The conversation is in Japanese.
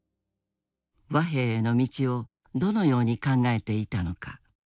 和平への道をどのように考えていたのか。